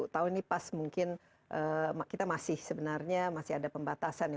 tahun ini pas mungkin kita masih sebenarnya masih ada pembatasan ya